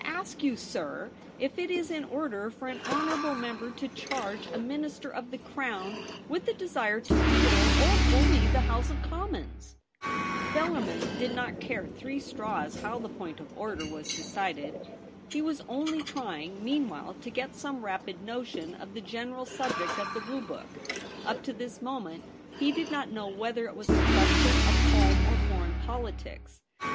ask you, sir, if it is in order for an honourable member to charge a Minister of the Crown with a desire to cajole or bully the House of Commons ?' Bellarmin did not care three straws how the point of order was decided. He was only trying meanwhile to get some rapid notion of the general subject of the blue book. Up to this moment he did not know whether it was a question of home or foreign politics.